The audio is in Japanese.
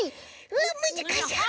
うっむずかしい！